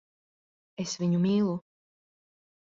Es viņu mīlu.